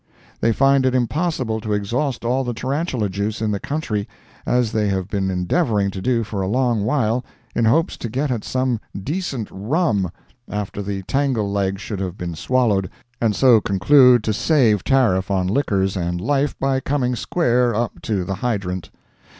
They find it impossible to exhaust all the tarantula juice in the country, as they have been endeavoring to do for a long while, in hopes to get at some decent "rum" after all the tangle leg should have been swallowed, and so conclude to save tariff on liquors and life by coming square up to the hydrant.